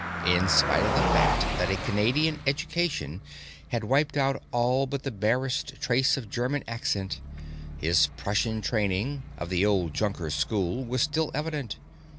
In spite of the fact that a Canadian education had wiped out all but the barest trace of German accent, his Prussian training, of the old Junkers school, was still evident.